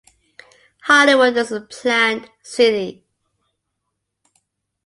Hollywood is a planned city.